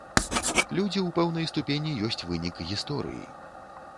Людзі ў пэўнай ступені ёсць вынік гісторыі.